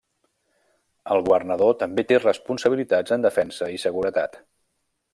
El Governador també té responsabilitats en defensa i seguretat.